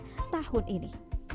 pemprov jateng tahun ini